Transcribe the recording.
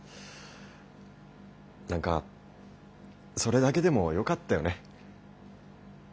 何かそれだけでもよかったよね。